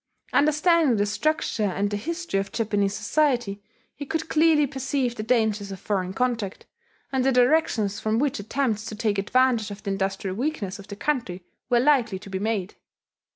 Understanding the structure and the history of Japanese society, he could clearly perceive the dangers of foreign contact, and the directions from which attempts to take advantage of the industrial weakness of the country were likely to be made....